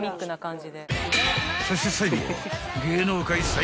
［そして最後は］